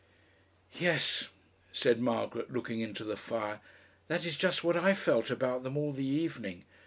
"Yes," said Margaret, looking into the fire. "That is just what I felt about them all the evening....